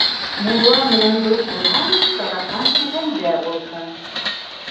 Мулла менән дуҫ булһаң, саҙаҡаң кеҫәңдә булһын.